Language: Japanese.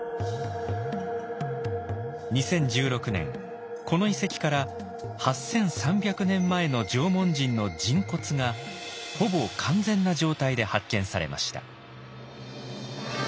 ２０１６年この遺跡から８３００年前の縄文人の人骨がほぼ完全な状態で発見されました。